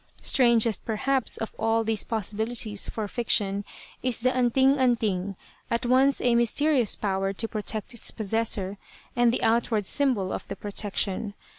Strangest, perhaps, of all these possibilities for fiction is the anting anting, at once a mysterious power to protect its possessor and the outward symbol of the protection.